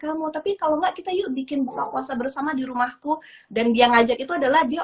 kamu tapi kalau enggak kita yuk bikin buka puasa bersama di rumahku dan dia ngajak itu adalah dia